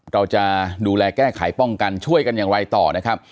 เราจะดูแลแก้ไขป้องกันช่วยกันอย่างไรต่อนะครับ